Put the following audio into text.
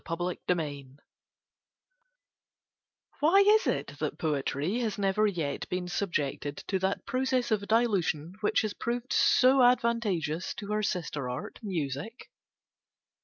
TÈMA CON VARIAZIÒNI [Why is it that Poetry has never yet been subjected to that process of Dilution which has proved so advantageous to her sister art Music?